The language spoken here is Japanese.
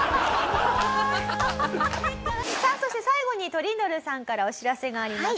さあそして最後にトリンドルさんからお知らせがあります。